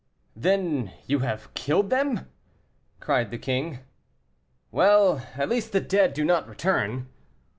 "Then you have killed them?" cried the king; "well, at least the dead do not return."